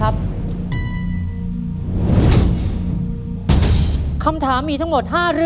แบบช่วยดูเสลจคือทำทุกอย่างที่ให้น้องอยู่กับแม่ได้นานที่สุด